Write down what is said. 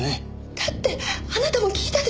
だってあなたも聞いたでしょ？